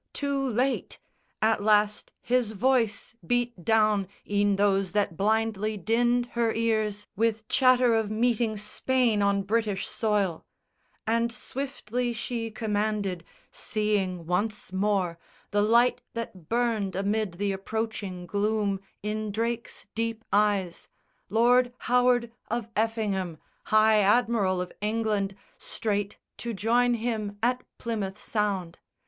Too late!" At last his voice Beat down e'en those that blindly dinned her ears With chatter of meeting Spain on British soil; And swiftly she commanded (seeing once more The light that burned amid the approaching gloom In Drake's deep eyes) Lord Howard of Effingham, High Admiral of England, straight to join him At Plymouth Sound.